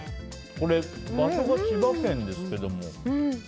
これ、場所が千葉県ですけども。